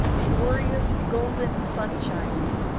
glorious, golden sunshine!